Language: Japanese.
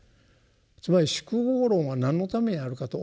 つまり「宿業論」は何のためにあるかと。